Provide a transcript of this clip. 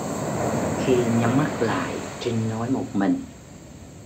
Khi nhắm mắt lại Trinh nói một mình